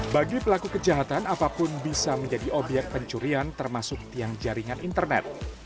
bagi pelaku kejahatan apapun bisa menjadi obyek pencurian termasuk tiang jaringan internet